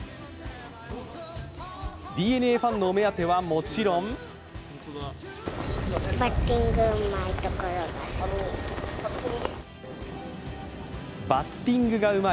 ＤｅＮＡファンのお目当てはもちろんバッティングがうまい。